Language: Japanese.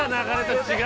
違う。